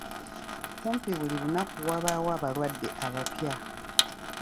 Kumpi buli lunaku wabaawo abalwadde abapya.